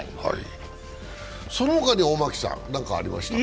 その他におマキさん、何かありましたか？